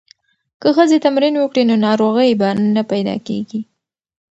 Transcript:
که ښځې تمرین وکړي نو ناروغۍ به نه پیدا کیږي.